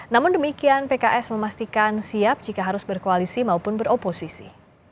namun demikian pks memastikan siap jika harus berkoalisi maupun beroposisi